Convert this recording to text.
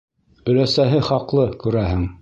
Оләсәһе хаҡлы, күрәһең.